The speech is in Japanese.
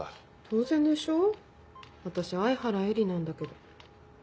当然でしょ私愛原絵理なんだけど。